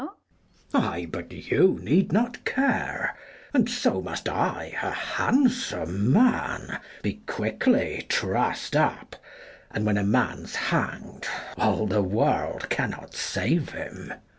Ay, but you need not care ; and so must I, A handsome man, be quickly truss'd up, 55 And when a man's hang'd, all the world cannot save him.